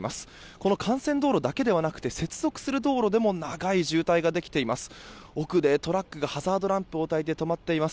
この幹線道路だけではなく接続する道路でも長い渋滞ができています。